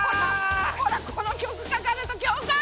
ほらこの曲かかると教官！